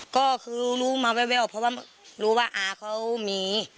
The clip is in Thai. ก็คือรู้มาแววเพราะว่ารู้ว่าอาเขามี